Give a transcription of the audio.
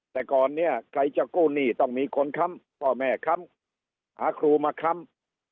แต่ก่อนเนี่ยใครจะกู้หนี้ต้องมีคนค้ำพ่อแม่ค้ำหาครูมาค้ำ